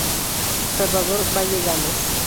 Salvador Valle Gámez.